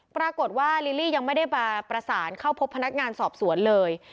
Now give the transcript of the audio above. ปรากฏว่าลิลลี่ยังไม่ได้มาประสานเข้าพบพนักงานสอบสวนเลย